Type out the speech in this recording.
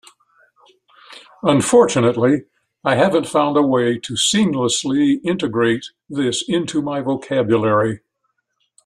Unfortunately, I haven't found a way to seamlessly integrate this into my vocabulary.